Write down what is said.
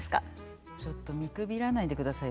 ちょっと見くびらないでください